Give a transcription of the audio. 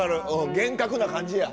厳格な感じや。